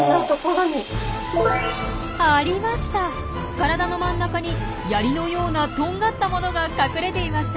体の真ん中にヤリのようなとんがったものが隠れていました。